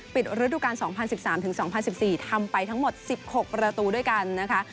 ฤดูการ๒๐๑๓๒๐๑๔ทำไปทั้งหมด๑๖ประตูด้วยกันนะคะ